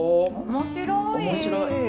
面白い。